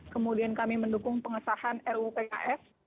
kemudian kami mendukung pengesahan ruu pkf